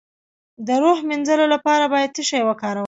د روح د مینځلو لپاره باید څه شی وکاروم؟